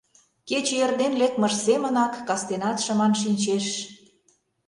кече эрден лекмыж семынак, кастенат шыман шинчеш;